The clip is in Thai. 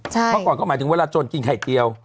เมื่อก่อนก็หมายถึงเวลาจนกินไข่เจียว